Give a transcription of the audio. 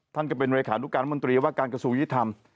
ท่านก็เป็นรายคาณุการมนตรีว่าการกสูญธรรม